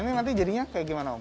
ini nanti jadinya seperti apa